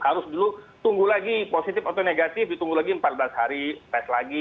harus dulu tunggu lagi positif atau negatif ditunggu lagi empat belas hari tes lagi